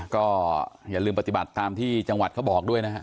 ก็อย่าลืมปฏิบัติตามที่จังหวัดเขาบอกด้วยนะฮะ